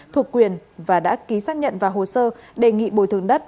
thuộc quyền và đã ký xác nhận và hồ sơ đề nghị bồi thường đất